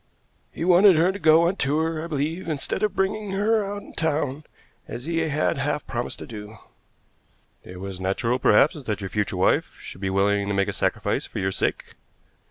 "He wanted her to go on tour, I believe, instead of bringing her out in town, as he had half promised to do." "It was natural perhaps that your future wife should be willing to make a sacrifice for your sake."